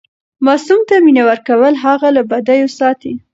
ماسوم ته مینه ورکول هغه له بدیو ساتي.